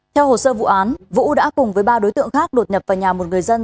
theo hồ sơ vụ án vũ đã cùng với ba đối tượng khác đột nhập vào nhà một người dân